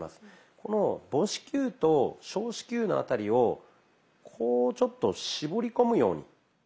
この母指球と小指球のあたりをこうちょっと絞り込むように。